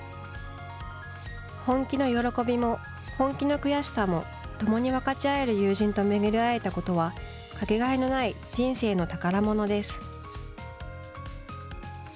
本気の悔しさも共に分かち合える友人と巡り合えたことはかけがえのない人生の宝物です。